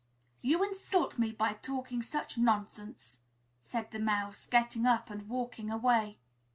"You insult me by talking such nonsense!" said the Mouse, getting up and walking away.